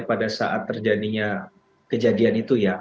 pada saat terjadinya kejadian itu ya